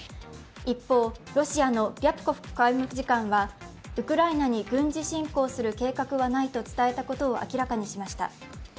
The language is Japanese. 一方、ロシアのリャプコフ外務次官はウクライナに軍事侵攻する計画はないと伝えたことを明らかにしました。